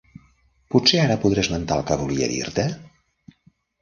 Potser ara podré esmentar el que volia dir-te?